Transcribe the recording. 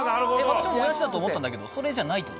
私ももやしだと思ったんだけどそれじゃないって事？